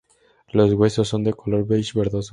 Los huevos son de color beige verdoso.